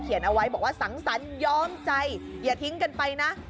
เอาไว้บอกว่าสังสรรค์ย้อมใจอย่าทิ้งกันไปนะ